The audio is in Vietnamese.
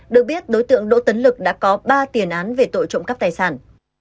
được biết đối tượng đỗ tấn lực đã có ba tiền án về tội trộm cắp tài sản